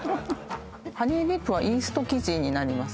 ハニーディップはイースト生地になります。